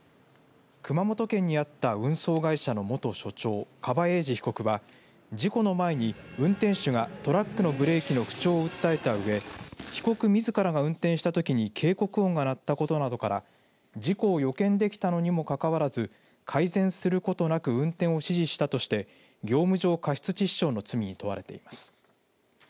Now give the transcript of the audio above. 熊本県にあった運送会社の元所長樺英二被告は、事故の前に運転手がトラックのブレーキの不調を訴えたうえ被告みずからが運転したときに警告音が鳴ったことなどから事故を予見できたのにもかかわらず改善することなく運転を指示したとして業務上過失致死傷の罪に問われています。